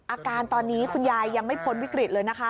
อาการตอนนี้คุณยายยังไม่พ้นวิกฤตเลยนะคะ